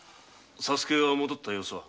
左助が戻った様子は？